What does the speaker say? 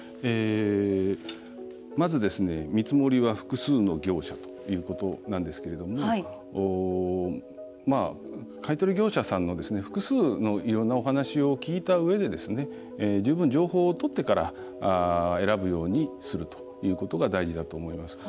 まず、見積もりは複数の業者ということなんですけれども買い取り業者さんの複数のいろんなお話を聞いたうえで十分、情報を取ってから選ぶようにするということが大事だと思います。